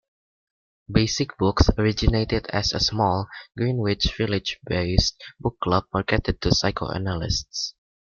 Basic Books originated as a small, Greenwich Village-based book club marketed to psychoanalysts.